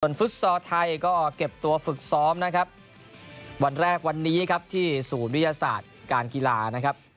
ฟุตซอลไทยก็เก็บตัวฝึกซ้อมนะครับวันแรกวันนี้ครับที่ศูนย์วิทยาศาสตร์การกีฬานะครับ